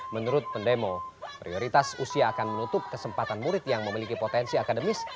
menurut pendemo prioritas usia akan menutup kesempatan murid yang memiliki potensi akademis